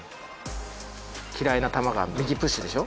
嫌いな球が右プッシュでしょ？